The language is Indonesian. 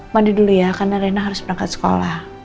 mandi dulu ya karena rena harus berangkat sekolah